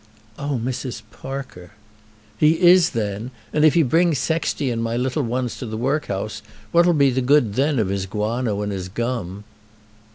"Oh, Mrs. Parker!" "He is then. And if he brings Sexty and my little ones to the workhouse, what'll be the good then of his guano and his gum?"